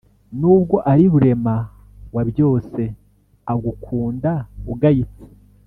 Nubwo ari rurema wa byose agukunda ugayitse